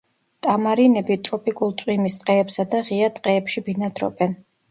ტამარინები ტროპიკულ წვიმის ტყეებსა და ღია ტყეებში ბინადრობენ.